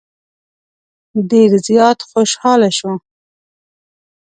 ډېر زیات خوشاله شو.